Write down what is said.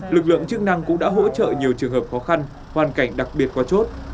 lực lượng chức năng cũng đã hỗ trợ nhiều trường hợp khó khăn hoàn cảnh đặc biệt qua chốt